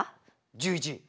１１。